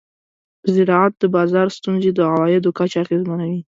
د زراعت د بازار ستونزې د عوایدو کچه اغېزمنوي.